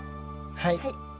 はい。